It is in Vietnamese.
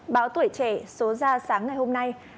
báo tuổi trẻ số ra sáng ngày hôm nay